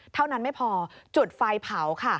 เท่านั้นไม่พอจุดไฟเผาค่ะ